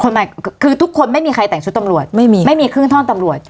หมายคือทุกคนไม่มีใครแต่งชุดตำรวจไม่มีไม่มีครึ่งท่อนตำรวจ